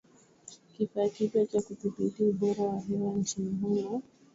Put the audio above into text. Kifaa kipya cha kudhibiti ubora wa hewa nchini humo kimefadhiliwa kwa kiasi na kampuni ya Gugo